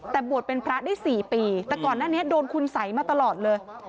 แต่บวชเป็นพระได้๔ปีแต่ก่อนหน้านี้โดนคุณสัยมาตลอดเลย